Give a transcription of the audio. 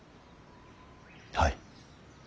はい。